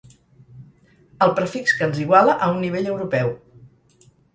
El prefix que ens iguala a un nivell europeu.